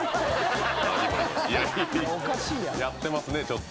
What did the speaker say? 「やってますねちょっと」